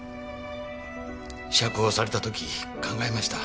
釈放された時考えました。